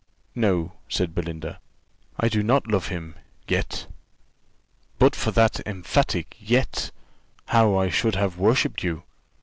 "No," said Belinda, "I do not love him yet." "But for that emphatic yet, how I should have worshipped you!